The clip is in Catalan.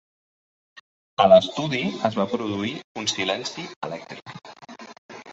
A l'estudi es va produir un silenci elèctric.